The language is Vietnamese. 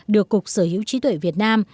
được cục sở hữu trí tuệ việt nam